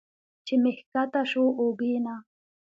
چې مې ښکته شو اوږې نه